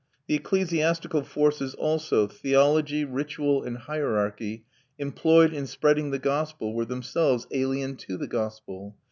The ecclesiastical forces also, theology, ritual, and hierarchy, employed in spreading the gospel were themselves alien to the gospel.